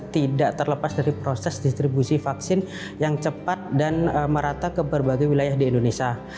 tidak terlepas dari proses distribusi vaksin yang cepat dan merata ke berbagai wilayah di indonesia